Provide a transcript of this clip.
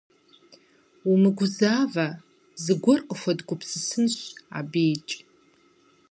Умыгузавэ, зыгуэр къыхуэдгупсысынщ абыикӏ.